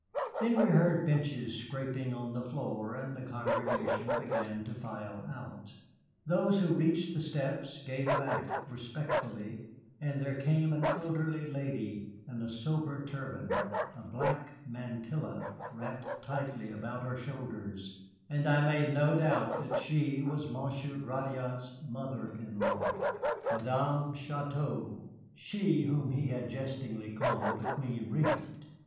Then we heard benches scraping on the floor, and the congregation began to file out. Those who reached the steps gave back, respectfully, and there came an elderly lady in a sober turban, a black mantilla wrapped tightly about her shoulders, and I made no doubt that she was Monsieur Gratiot's mother in law, Madame Chouteau, she whom he had jestingly called the queen regent.